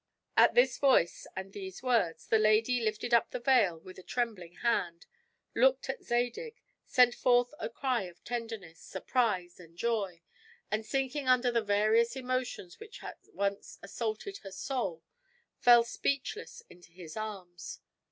At this voice and these words, the lady lifted up the veil with a trembling hand, looked at Zadig, sent forth a cry of tenderness, surprise and joy, and sinking under the various emotions which at once assaulted her soul, fell speechless into his arms.